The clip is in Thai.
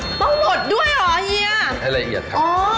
ต้องบดด้วยเหรอเฮียให้ละเอียดครับอ๋อ